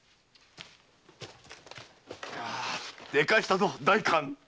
でかしたぞ代官！